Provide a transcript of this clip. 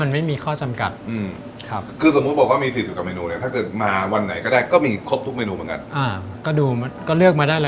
เน็ตแน่น